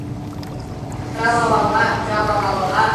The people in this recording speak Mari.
Тра-ла-ла-ла-ла, тра-ла-ла-ла-ла